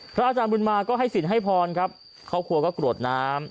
อาจารย์บุญมาก็ให้สินให้พรครับครอบครัวก็กรวดน้ำ